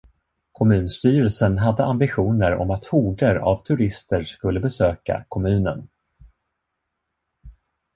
Kommunstyrelsen hade ambitioner om att horder av turister skulle besöka kommunen.